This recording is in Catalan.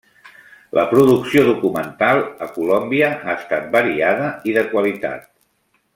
La producció documental a Colòmbia ha estat variada i de qualitat.